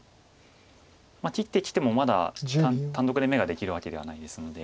切ってきてもまだ単独で眼ができるわけではないですので。